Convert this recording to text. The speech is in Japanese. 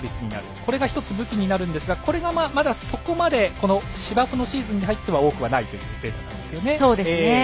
これが１つ武器になるんですがこれが、そこまで芝生のシーズンに入っては多くはないというデータなんですよね。